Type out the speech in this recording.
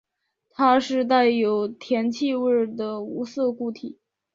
它是带有甜气味的无色固体。